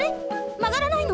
まがらないの？